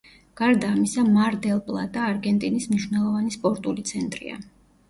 გარდა ამისა, მარ-დელ-პლატა არგენტინის მნიშვნელოვანი სპორტული ცენტრია.